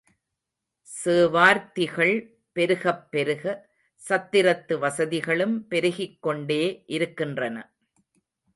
சேவார்த்திகள் பெருகப்பெருக சத்திரத்து வசதிகளும் பெருகிக் கொண்டே இருக்கின்றன.